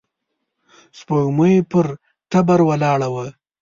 سپوږمۍ پر تبر ولاړه وه.